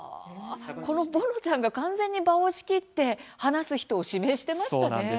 ぼのちゃんが完全に場を仕切って話す人を指名していましたね。